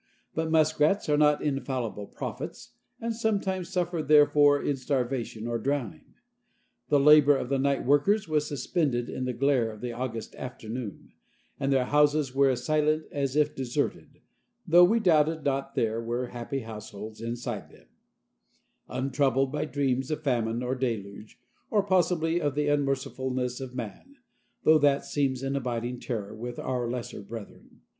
But muskrats are not infallible prophets, and sometimes suffer therefor in starvation or drowning. The labor of the night workers was suspended in the glare of the August afternoon, and their houses were as silent as if deserted, though we doubted not there were happy households inside them, untroubled by dreams of famine or deluge, or possibly of the unmercifulness of man, though that seems an abiding terror with our lesser brethren.